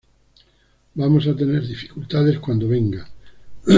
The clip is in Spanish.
Vamos a tener dificultades cuando venga.